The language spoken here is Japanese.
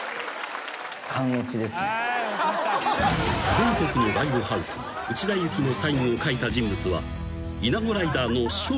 ［全国のライブハウスに内田有紀のサインを書いた人物は］